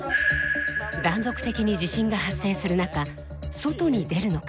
断続的に地震が発生する中外に出るのか